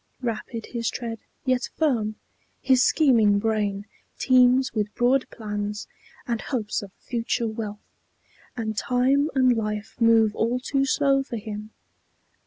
Rapid his tread, yet firm; his scheming brain Teems with broad plans, and hopes of future wealth, And time and life move all too slow for him.